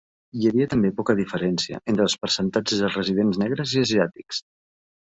Hi havia també poca diferència entre els percentatges de residents negres i asiàtics.